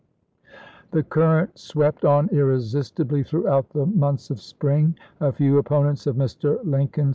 The current swept on irresistibly throughout the months of spring. A few opponents of Mr. Lincoln, im.